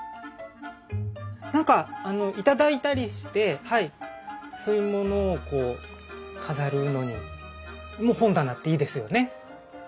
なんかいただいたりしてそういうものをこう飾るのにも本棚っていいですよね。